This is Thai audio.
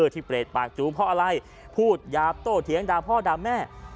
เปรตปากจูเพราะอะไรพูดหยาบโตเถียงด่าพ่อด่าแม่